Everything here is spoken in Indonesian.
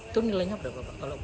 itu nilainya berapa pak